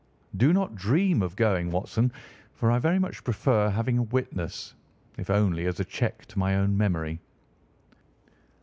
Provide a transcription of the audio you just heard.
Do not dream of going, Watson, for I very much prefer having a witness, if only as a check to my own memory."